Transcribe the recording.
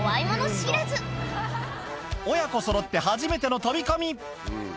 親子そろって初めての飛び込み。